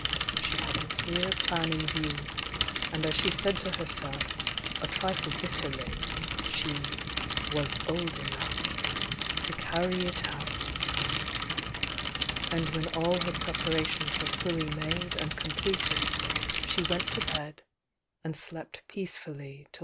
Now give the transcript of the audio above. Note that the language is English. She had a clear plan in view, and as she said to herself, a trifle bitterly, she "was old enough" to carry it out. And when all her preparations were fully made and com pleted, she went to bed and slept peacefully till the first break of dawn.